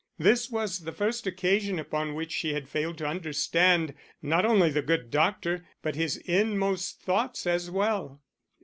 This was the first occasion upon which she had failed to understand not only the good doctor, but his inmost thoughts as well.